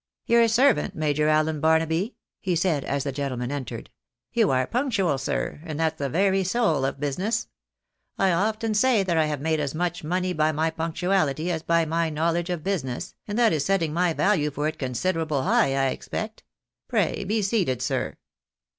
" Your servant. Major Allen Barnaby," he said, as the gentle man entered. " You are punctual, sir, and that's the very soul of business. I often say that I have made as much money by my punctuality, as by my knowledge of business, and that is setting my value for it considerable high, I expect. Pray be seated, sir."